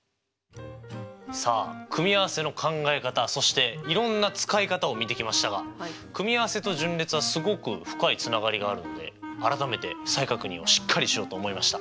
さあ組合せの考え方そしていろんな使い方を見てきましたが組合せと順列はすごく深いつながりがあるんで改めて再確認をしっかりしようと思いました。